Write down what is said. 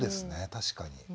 確かに。